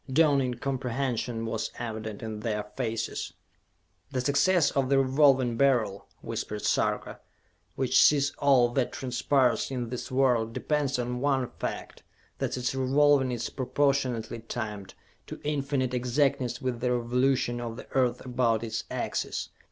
Dawning comprehension was evident in their faces. "The success of the Revolving Beryl," whispered Sarka, "which sees all that transpires in this world, depends on one fact: that its revolving is proportionately timed to infinite exactness with the revolution of the Earth about its axis!